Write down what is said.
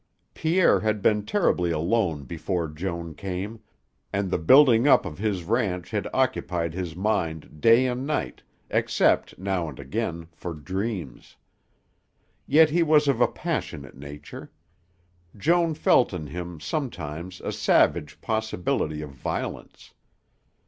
Pierre had been terribly alone before Joan came, and the building up of his ranch had occupied his mind day and night except, now and again, for dreams. Yet he was of a passionate nature. Joan felt in him sometimes a savage possibility of violence.